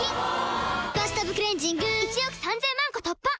「バスタブクレンジング」１億３０００万個突破！